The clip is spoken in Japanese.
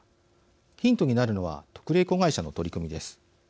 ヒントになるのは特例子会社の取り組みです。